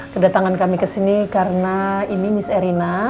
kedatangan kami kesini karena ini miss erina